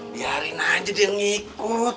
biarin aja dia ngikut